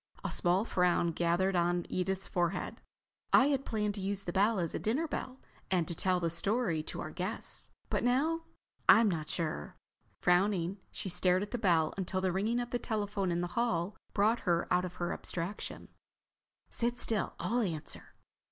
A small frown gathered on Edith's forehead. "I had planned to use the bell as a dinner bell and to tell the story to our guests. But now—I'm not sure." Frowning, she stared at the bell until the ringing of the telephone in the hall brought her out of her abstraction. "Sit still, I'll answer."